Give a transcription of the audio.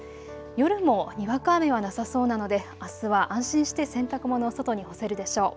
夜もにわか雨はなさそうなのであすは安心して洗濯物を外に干せるでしょう。